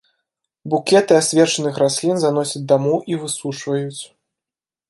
Букеты асвечаных раслін заносяць дамоў і высушваюць.